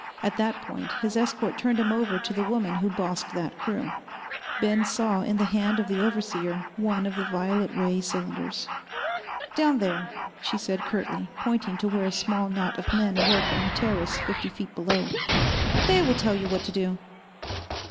At that point his escort turned him over to the woman who bossed that crew. Ben saw in the hand of the overseer one of the violet ray cylinders. "Down there," she said curtly, pointing to where a small knot of men worked on a terrace fifty feet below. "They will tell you what to do."